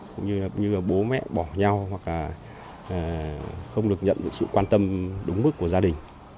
cũng như là bố mẹ bỏ nhau hoặc là không được nhận sự quan tâm đúng mức của gia đình